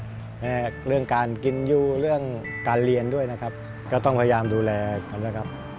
เรื่องการกินอยู่เรื่องการเรียนด้วยนะครับก็ต้องพยายามดูแลเขานะครับ